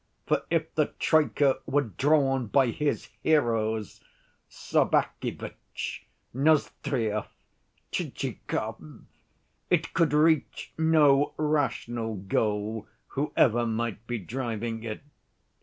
For if the troika were drawn by his heroes, Sobakevitch, Nozdryov, Tchitchikov, it could reach no rational goal, whoever might be driving it.